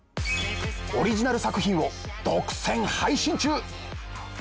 オリジナル作品を独占配信中。